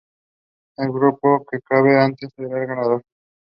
Kathmandu Kshetra was composed by grouping the then five districts.